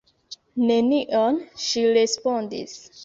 "Nenion," ŝi respondis.